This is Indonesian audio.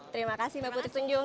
terima kasih mbak putri tunjung